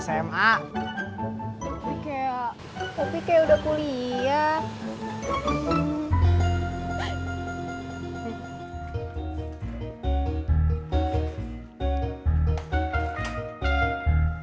tapi kayak tapi kayak udah kuliah